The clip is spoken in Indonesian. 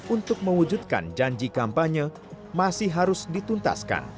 untuk mewujudkan janji kampanye masih harus dituntaskan